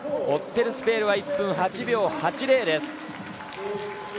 オッテルスペールは１分８秒８０です。